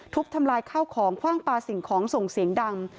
ทำลายข้าวของคว่างปลาสิ่งของส่งเสียงดัง